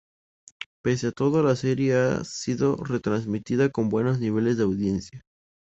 Pese a todo la serie ha sido retransmitida con buenos niveles de audiencia.